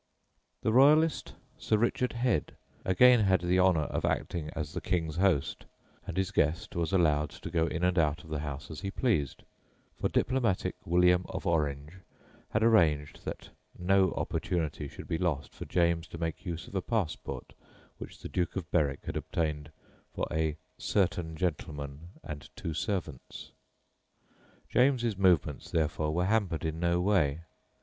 The royalist Sir Richard Head again had the honour of acting as the King's host, and his guest was allowed to go in and out of the house as he pleased, for diplomatic William of Orange had arranged that no opportunity should be lost for James to make use of a passport which the Duke of Berwick had obtained for "a certain gentleman and two servants." James's movements, therefore, were hampered in no way.